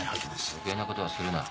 余計なことはするな。